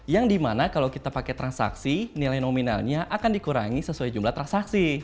yang dimana kalau kita pakai transaksi nilai nominalnya akan dikurangi sesuai jumlah transaksi